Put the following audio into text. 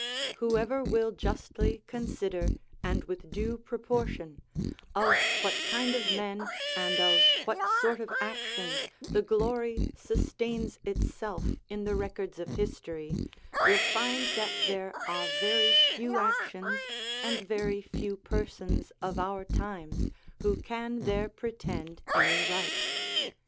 Whoever will justly consider, and with due proportion, of what kind of men and of what sort of actions the glory sustains itself in the records of history, will find that there are very few actions and very few persons of our times who can there pretend any right.